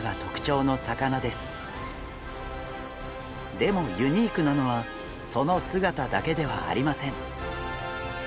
でもユニークなのはその姿だけではありません。